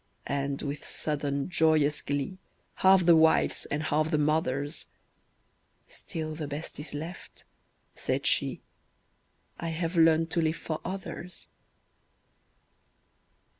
And with sudden, joyous glee, Half the wife's and half the mother's, "Still the best is left," said she: "I have learned to live for others."